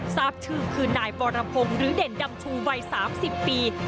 ทราบชื่อคือนายบรพงศ์หรือเด่นดำชูวัย๓๐ปี